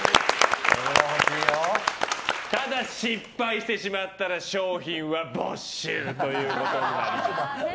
ただし、失敗してしまったら賞品は没収となります。